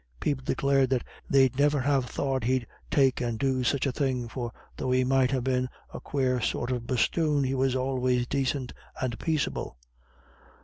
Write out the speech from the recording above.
People declared that "they'd never have thought he'd take and do such a thing, for though he might ha' been a quare sort of bosthoon, he was always dacint and paiceable."